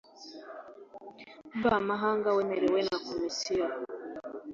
mvamahanga wemererwa na Komisiyo